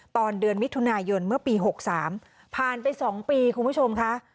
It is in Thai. ตอนเดือนมิถุนายนเมื่อปี๖๓ผ่านไป๒ปีคุณผู้ชมค่ะ